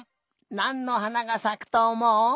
なんのはながさくとおもう？